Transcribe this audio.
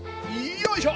よいしょ。